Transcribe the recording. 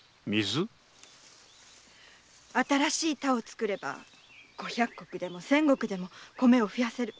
新しい田を作れば五百石でも千石でも米を増やせる。